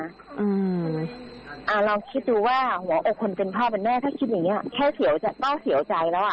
เราคิดดูว่าหัวอกคนเป็นพ่อเป็นแม่ถ้าคิดอย่างนี้แค่เฉียวใจก็เฉียวใจแล้ว